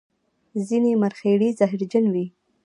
ځینې مرخیړي زهرجن وي